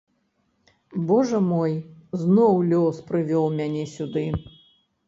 Божа мой, зноў лёс прывёў мяне сюды!